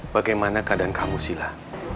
bagaimana keadaan kamu silah